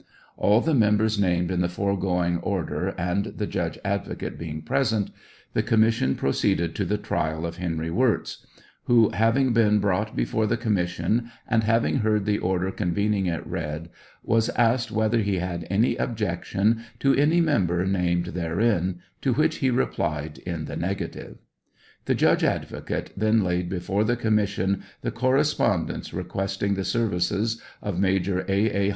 All the members named in the foregoing order and the judge advocate being present, the commission proceeded to the trial of Henry Wirz, who, having TRIAL OF HENRY WIEZ. 3 been brougbt before the connnission, and having heard the order convening it read, was asked whether he had any objection to any member named therein, to which he replied in the negative. The judge advocate then laid before the commission the correspondence re questing the services of Major A. A.